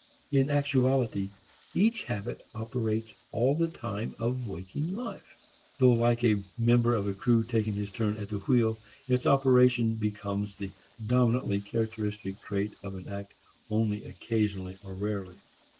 In actuality each habit operates all the time of waking life; though like a member of a crew taking his turn at the wheel, its operation becomes the dominantly characteristic trait of an act only occasionally or rarely.